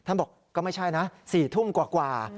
บอกก็ไม่ใช่นะ๔ทุ่มกว่า